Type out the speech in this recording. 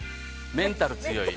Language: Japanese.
メンタル強い。